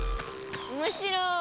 おもしろい。